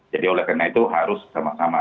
jadi oleh karena itu harus sama sama